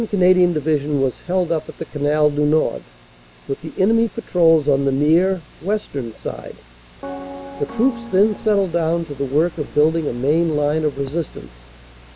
Canadian Division was held up at the Canal du Nord, with the enemy patrols on the near (western) side. The troops then settled down to the work of building a main line of resistance.